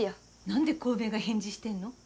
何で小梅が返事してんの？